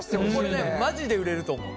これねマジで売れると思う。